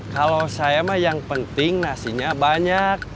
kalau saya mah yang penting nasinya banyak